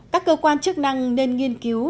các cơ quan chức năng nên nghiên cứu